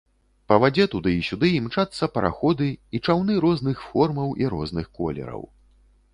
Па вадзе туды і сюды імчацца параходы і чаўны розных формаў і розных колераў.